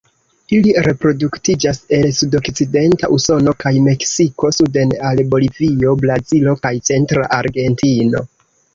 Ili reproduktiĝas el sudokcidenta Usono kaj Meksiko suden al Bolivio, Brazilo kaj centra Argentino.